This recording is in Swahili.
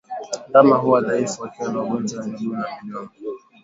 Ndama huwa dhaifu wakiwa na ugonjwa wa miguu na midomo